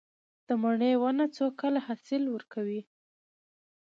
د مڼې ونه څو کاله حاصل ورکوي؟